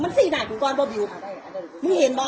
มันสิ่งไหนกูก็อ่านบอกอยู่มึงเห็นบอก